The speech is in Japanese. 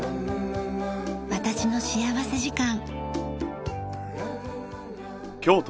『私の幸福時間』。